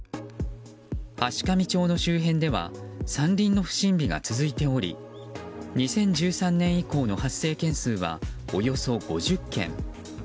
階上町の周辺では山林の不審火が続いており２０１３年以降の発生件数はおよそ５０件。